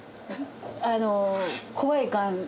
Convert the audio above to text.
あの怖い感じ。